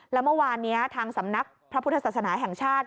แล้วเมื่อวานนี้ทางสำนักพระพุทธศาสนาแห่งชาติ